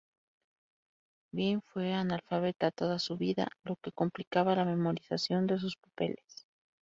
Gwyn fue analfabeta toda su vida, lo que complicaba la memorización de sus papeles.